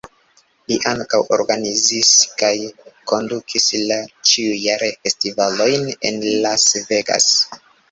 Li ankaŭ organizis kaj kondukis la ĉiujare festivalojn en Las Vegas.